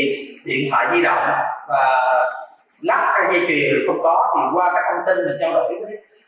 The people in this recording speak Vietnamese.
thì điện thoại di động và lắp cái dây chuyền không có thì qua các công tin mình trao đổi với